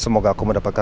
tunggu dulu pak